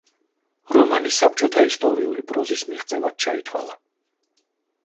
რომანი საბჭოთა ისტორიული პროზის მიღწევად ჩაითვალა.